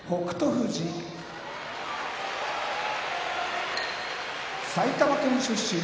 富士埼玉県出身